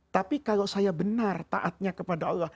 tapi kalau saya benar taatnya kepada allah